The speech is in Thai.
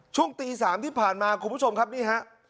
ช่วงตี๓ที่ผ่านมาคุณผู้ชมครับนี่ฮะ